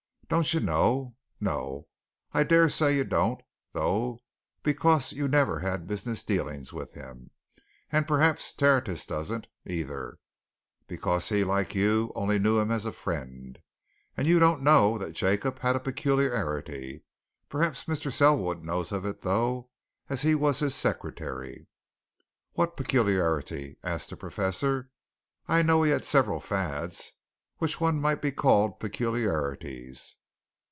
Don't you know no, I dare say you don't though, because you never had business dealings with him, and perhaps Tertius doesn't, either, because he, like you, only knew him as a friend you don't know that Jacob had a peculiarity. Perhaps Mr. Selwood knows of it, though, as he was his secretary." "What peculiarity?" asked the Professor. "I know he had several fads, which one might call peculiarities."